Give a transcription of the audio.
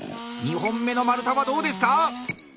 ２本目の丸太はどうですか？